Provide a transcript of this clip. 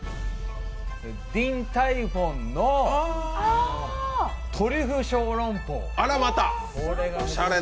ディンタイフォンのトリュフ小籠包。